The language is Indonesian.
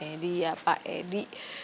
edi ya pak edi